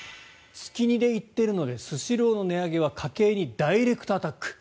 月２で行っているのでスシローの値上げは家計にダイレクトアタック。